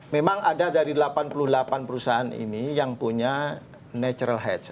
memang ada dari delapan puluh delapan perusahaan ini yang punya natural heads